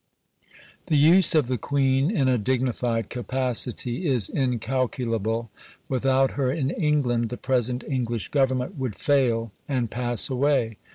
The use of the Queen, in a dignified capacity, is incalculable. Without her in England, the present English Government would fail and pass away.